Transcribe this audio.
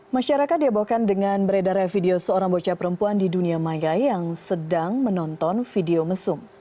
masyarakat diebohkan dengan beredar video seorang bocah perempuan di dunia maya yang sedang menonton video mesum